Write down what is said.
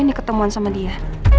ini ketemuan sama dia